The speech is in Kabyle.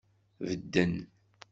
Bedden.